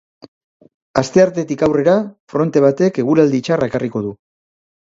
Asteartetik aurrera fronte batek eguraldi txarra ekarriko du.